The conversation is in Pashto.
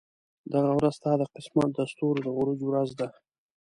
دغه ورځ ستا د قسمت د ستورو د عروج ورځ ده.